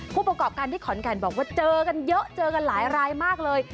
ผู้ประกอบการที่ขอนแก่นบอกว่าเจอกันเยอะเจอกันหลายรายมากเลย